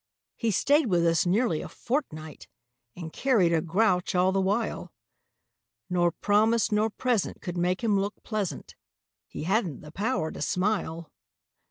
He stayed with us nearly a fortnight And carried a grouch all the while, Nor promise nor present could make him look pleasant; He hadn't the power to smile.